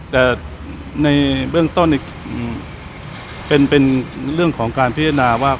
แต่ในเบื้องต้นเป็นเรื่องของการพิจารณาว่า